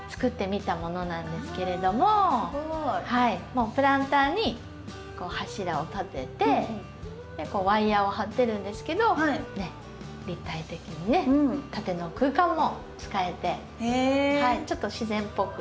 もうプランターに柱を立ててワイヤーを張ってるんですけど立体的にね縦の空間も使えてちょっと自然っぽく。